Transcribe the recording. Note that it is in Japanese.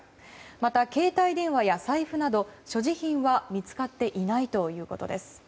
また、携帯電話や財布など所持品は見つかっていないということです。